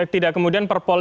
tidak kemudian perpol